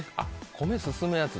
米進むやつだ。